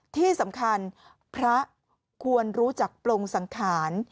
ที่สำคัญพระควรรู้จักปลงสังขาร